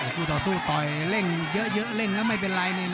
สู้ต่อต่อเล่นเยอะเล่นแล้วไม่เป็นไร